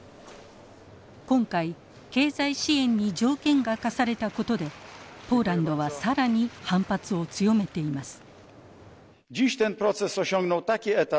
今回経済支援に条件が課されたことでポーランドは更に反発を強めています。